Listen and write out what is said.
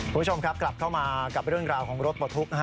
ผู้ชมครับกลับเข้ามากับเรื่องราวของรถประทุกษ์